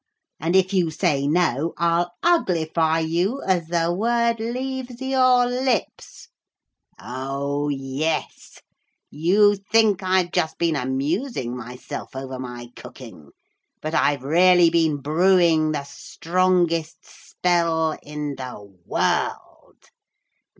And if you say no I'll uglify you as the word leaves your lips. Oh, yes you think I've just been amusing myself over my cooking but I've really been brewing the strongest spell in the world.